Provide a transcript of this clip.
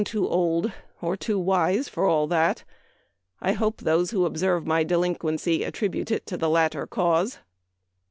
277 too old or too wise for all that. I hope those who observe my delinquency attribute it to the latter cause."